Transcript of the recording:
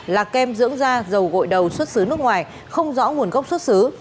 là kem dưỡng da dầu gội đầu xuất xứ nước ngoài không rõ nguồn gốc xuất xứ